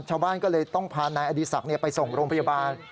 ชาวบ้านก็เลยต้องพานายอดีศักดิ์ไปส่งโรงพยาบาล